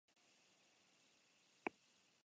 Istilurik ez da izan goizean.